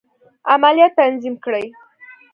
عملیات تنظیم کړي.